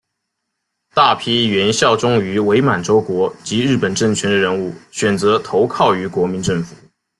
大批原效忠于伪满洲国及日本政权的人物选择投靠于国民政府。